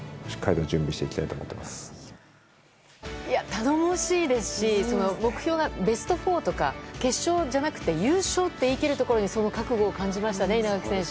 頼もしいですし目標がベスト４とか決勝じゃなくて優勝と言い切るところにその覚悟を感じましたね